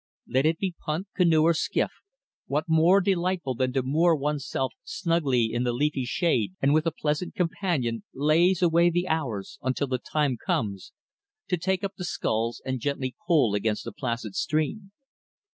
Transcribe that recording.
Let it be punt, canoe or skiff, what more delightful than to moor oneself snugly in the leafy shade, and with a pleasant companion "laze" away the hours until the time comes to take up the sculls and gently pull against the placid stream.